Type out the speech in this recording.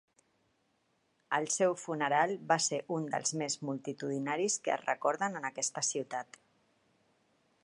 El seu funeral va ser un dels més multitudinaris que es recorden en aquesta ciutat.